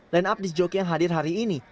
line up di joki yang hadir hari ini